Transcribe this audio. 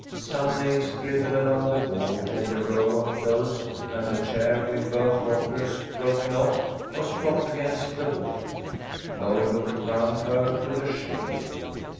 Some nails, driven along the wall, held a row of clothes, and a chair with both rockers broken off was propped against the wall. Lloyd looked around her with a shiver.